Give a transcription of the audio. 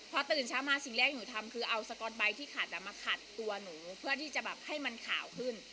พอตื่นเช้ามาสิ่งแรกหนูทำคือเอาสก๊อตไบท์ที่ขัดมาขัดตัวหนูเพื่อที่จะแบบให้มันขาวขึ้น